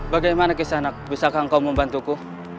bagaimana kisanat bisakah engkau membantuku